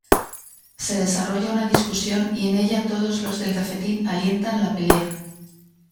Se desarrolla una discusión y en ella todos los del cafetín alientan la pelea.